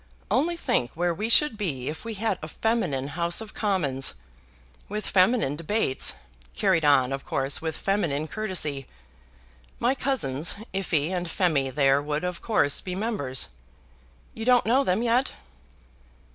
Only think where we should be if we had a feminine House of Commons, with feminine debates, carried on, of course, with feminine courtesy. My cousins Iphy and Phemy there would of course be members. You don't know them yet?"